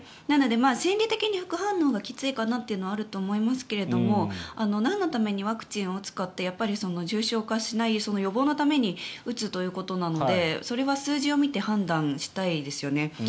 なので心理的に副反応がきついのかなというのはあると思うんですけどなんのためにワクチンを打つかって重症化しない、予防のために打つということなのでそれは数字を見て判断したいですよね。